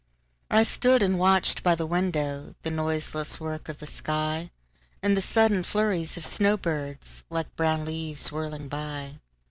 I stood and watched by the windowThe noiseless work of the sky, And the sudden flurries of snow birds, Like brown leaves whirling by.